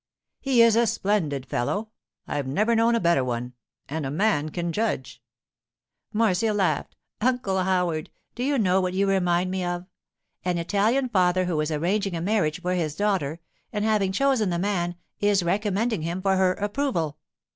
'He is a splendid fellow; I've never known a better one—and a man can judge.' Marcia laughed. 'Uncle Howard, do you know what you remind me of? An Italian father who is arranging a marriage for his daughter, and having chosen the man, is recommending him for her approval.